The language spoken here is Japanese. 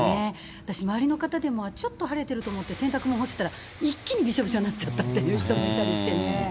私、周りの方でもちょっと晴れてると思って洗濯物干していたら、一気にびしょびしょになっちゃったっていう人もいたりしてね。